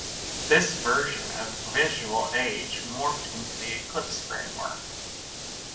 This version of VisualAge morphed into the Eclipse Framework.